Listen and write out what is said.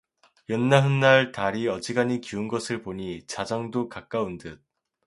열나흗날 달이 어지간히 기운것을 보니 자정도 가까운 듯.